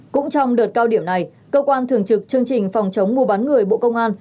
cũng trong đợt cao điểm này cơ quan thường trực chương trình phòng chống mua bán người bộ công an